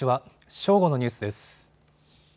正午のニュースです。